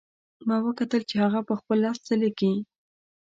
ما وکتل چې هغه په خپل لاس څه لیکي